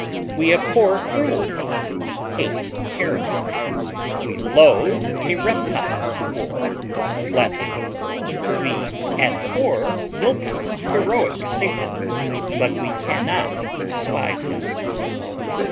We abhor cruelty, hate tyranny. We loathe a reptile or a flatterer. We abhor Milton's heroic Satan, but we can not despise him.